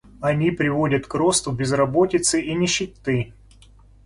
Они приводят к росту безработицы и нищеты.